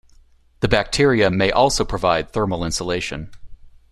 The bacteria may also provide thermal insulation.